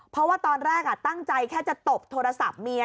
เพราะว่าตอนแรกตั้งใจแค่จะตบโทรศัพท์เมีย